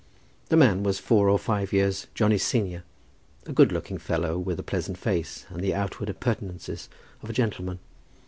The man was four or five years Johnny's senior, a good looking fellow, with a pleasant face, and the outward appurtenances of a gentleman.